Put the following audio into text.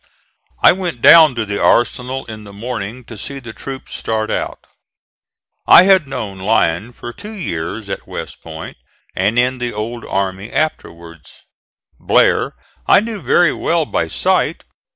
I went down to the arsenal in the morning to see the troops start out. I had known Lyon for two years at West Point and in the old army afterwards. Blair I knew very well by sight.